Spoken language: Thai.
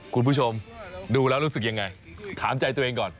คุณผู้ชมดูแล้วรู้สึกยังไงถามใจตัวเองก่อน